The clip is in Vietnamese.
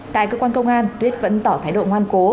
tại cơ quan công an tuyết vẫn tỏ thái độ ngoan cố